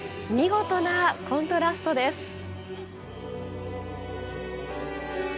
見事なコントラストです。